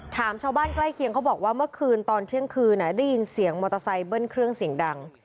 ชาวบ้านใกล้เคียงเขาบอกว่าเมื่อคืนตอนเที่ยงคืนได้ยินเสียงมอเตอร์ไซค์เบิ้ลเครื่องเสียงดัง